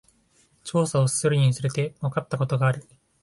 調査を進めるにつれて、わかったことがある。